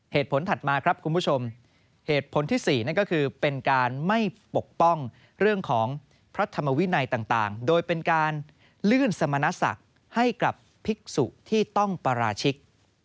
เหตุผลที่๔เป็นการไม่ปกป้องเรื่องของพระธรรมวินัยต่างโดยเป็นการเลื่อนสมณสักให้กลับภิกษุที่ต้องปราชิก